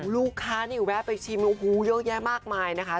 ลูกค้านี่แวะไปชิมโอ้โหเยอะแยะมากมายนะคะ